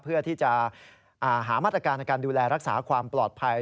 เพื่อที่จะหามาตรการในการดูแลรักษาความปลอดภัย